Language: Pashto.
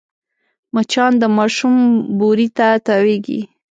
مچان د ماشوم بوري ته تاوېږي